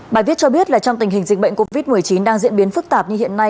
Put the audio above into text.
bài viết cho biết là trong tình hình dịch bệnh covid một mươi chín đang diễn biến phức tạp như hiện nay